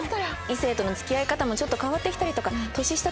異性との付き合い方もちょっと変わってきたりとか年下